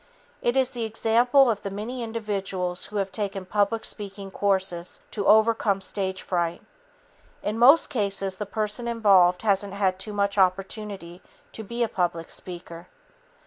It is the example of the many individuals who have taken public speaking courses to overcome stage fright. In most cases, the person involved hasn't had too much opportunity to be a public speaker.